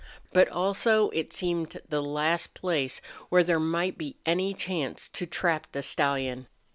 But also it seemed the last place where there might be any chance to trap the stallion.